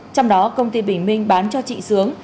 trong đó công ty bình minh bán cho chị sướng